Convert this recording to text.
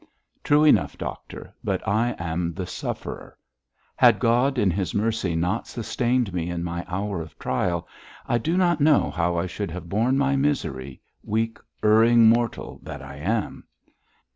'True enough, doctor, but I am the sufferer. Had God in His mercy not sustained me in my hour of trial, I do not know how I should have borne my misery, weak, erring mortal that I am.'